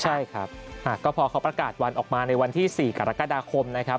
ใช่ครับก็พอเขาประกาศวันออกมาในวันที่๔กรกฎาคมนะครับ